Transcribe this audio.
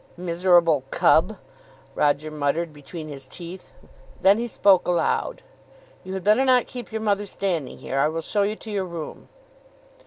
"Miserable cub!" Roger muttered between his teeth. Then he spoke aloud, "You had better not keep your mother standing here. I will show you your room."